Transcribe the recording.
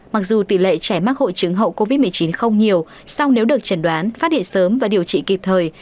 mặc dù tỷ lệ trẻ mắc hội chứng hậu covid một mươi chín không nhiều song nếu được trần đoán phát hiện sớm và điều trị kịp thời